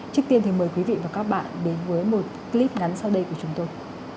trước tiên thì mời quý vị và các bạn đến với một clip ngắn sau đây của chúng tôi